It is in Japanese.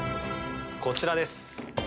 こちらです。